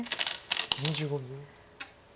２５秒。